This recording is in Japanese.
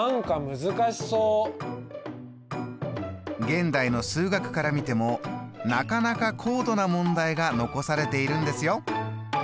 現代の数学から見てもなかなか高度な問題が残されているんですよ！